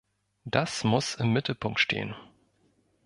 Das muss im Mittelpunkt stehen.